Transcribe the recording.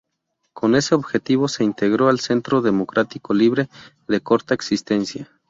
Con ese objetivo se integró al Centro Democrático Libre, de corta existencia.